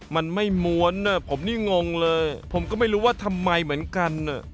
มันไม่ม้วนผมนี่งงเลยผมก็ไม่รู้ว่าทำไมเหมือนกัน